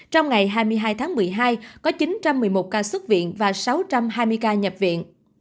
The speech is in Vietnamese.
trong ngày hai mươi hai tháng một mươi hai có chín trăm một mươi một ca xuất viện và sáu trăm hai mươi ca nhập viện